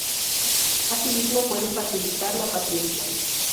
Asimismo, puede facilitar la paciencia.